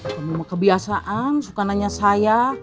kamu mah kebiasaan suka nanya saya